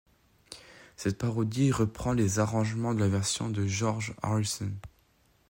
Cette parodie reprend les arrangements de la version de George Harrison.